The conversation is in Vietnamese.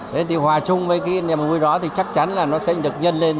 thế thì hòa chung với cái niềm vui đó thì chắc chắn là nó sẽ được nhân lên